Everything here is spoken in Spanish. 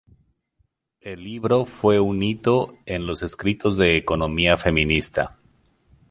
El libro fue un hito en los escritos de economía feminista.